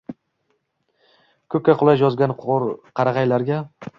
Ko’kka quloch yozgan qarag’aylarga.